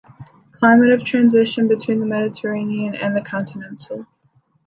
Climate of transition between the Mediterranean and the Continental.